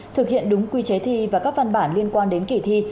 thực hiện đúng quy chế thi và các văn bản liên quan đến kỳ thi